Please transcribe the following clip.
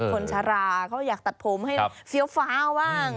ชาราเขาอยากตัดผมให้เฟี้ยวฟ้าวบ้าง